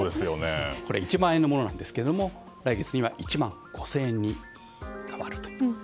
こちらは１万円のものですが来月には１万５０００円に変わると。